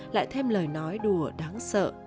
lại thêm lời nói đùa đáng sợ